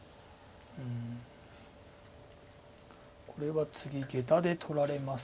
これは次ゲタで取られますから。